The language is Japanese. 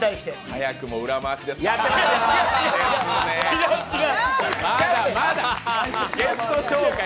早くも裏回しですか。